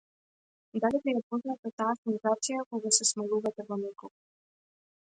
Дали ви е позната таа сензација кога се смалувате во некого?